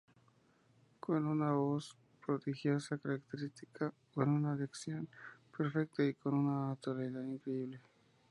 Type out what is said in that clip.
Con una voz prodigiosa, característica, con una dicción perfecta y con una naturalidad increíble.